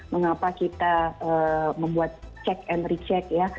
mengapa kita membuat check and recheck ya